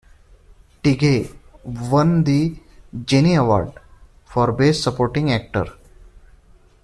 Tighe won the "Genie Award" for Best Supporting Actor.